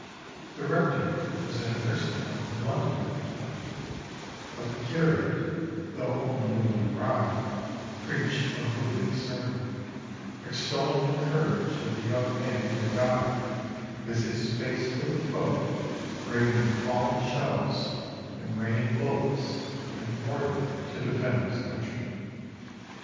The Rector was in a nursing home in London at the time, but the curate, though only newly arrived, preached a moving sermon, extolling the courage of the young man who had died "with his face to the foe, braving the falling shells and raining bullets in order to defend his country."